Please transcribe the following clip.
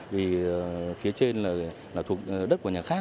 vì phía trên là thuộc đất của nhà khác